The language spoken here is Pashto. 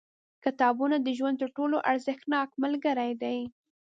• کتابونه د ژوند تر ټولو ارزښتناک ملګري دي.